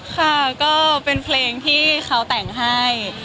ค่ะก็เป็นเพลงที่เขาแต่งให้